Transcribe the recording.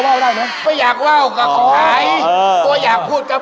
แล้วคนอีสานที่ทำหลัง๖โมงเย็นออกจากบ้านไม่ได้